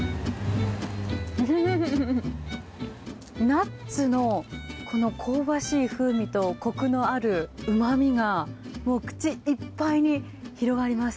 ナッツの香ばしい風味とコクのあるうまみが口いっぱいに広がります。